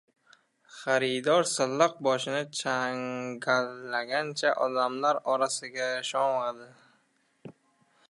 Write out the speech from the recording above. Xaridor silliq boshini changallagancha odamlar orasiga sho‘ng‘idi.